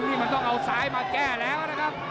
นี่มันต้องเอาซ้ายมาแก้แล้วนะครับ